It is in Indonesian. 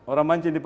orang mancing di